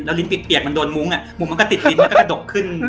ลิ้นเปียกมันโดนมุ้งมุ้งมันก็ติดลิ้นแล้วก็กระดกขึ้น